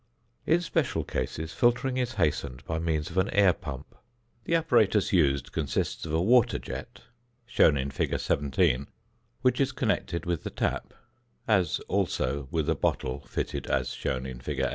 In special cases filtering is hastened by means of an air pump. The apparatus used consists of a water jet (fig. 17), which is connected with the tap, as also with a bottle fitted as shown in fig.